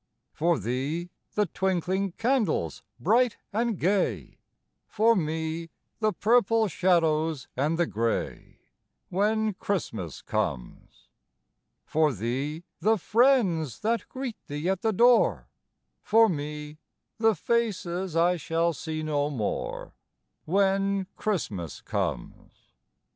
For thee, the twinkling candles bright and gay, For me, the purple shadows and the grey, When Christmas comes. For thee, the friends that greet thee at the door, For me, the faces I shall see no more, When Christmas comes.